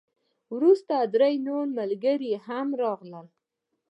وروسته درې نور ملګري هم راغلل.